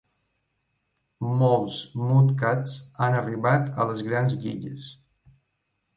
Molts Mudcats han arribat a les grans lligues.